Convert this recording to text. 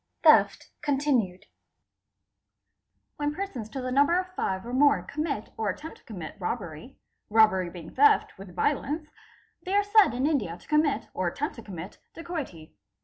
Section vii.—Dacoity. When persons to the number of five or more commit or attempt to comimit robbery, robbery being theft with violence, they are said in India to commit or attempt to commit dacoity.